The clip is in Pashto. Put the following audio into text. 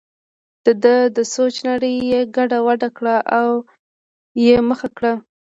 دده د سوچ نړۍ یې ګډه وډه کړه او یې مخه کړه.